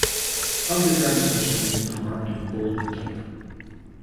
Underground stations are marked in bold type.